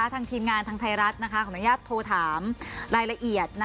ทางทีมงานทางไทยรัฐขออนุญาตโทรถามรายละเอียด